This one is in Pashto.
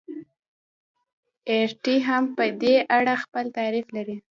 اریټي هم په دې اړه خپل تعریف لري.